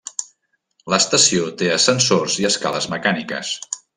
L'estació té ascensors i escales mecàniques.